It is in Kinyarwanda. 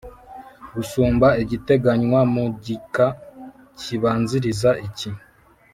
Gisumba igiteganywa mu gika kibanziriza Iki.